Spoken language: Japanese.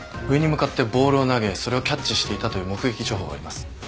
上に向かってボールを投げそれをキャッチしていたという目撃情報があります。